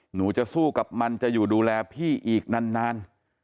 หนูจะสู้กับมันจะอยู่ดูแลพี่อีกนาน